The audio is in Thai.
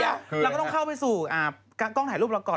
เราก็ต้องเข้าไปสู่กล้องถ่ายรูปเราก่อน